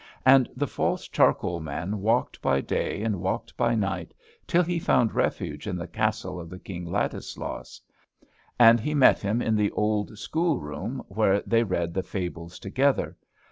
And the false charcoal man walked by day, and walked by night, till he found refuge in the castle of the King Ladislaus; and he met him in the old school room where they read the fables together.